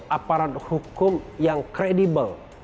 aparat hukum yang kredibel